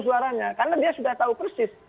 suaranya karena dia sudah tahu persis